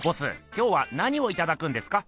今日は何をいただくんですか？